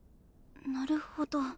なるほど。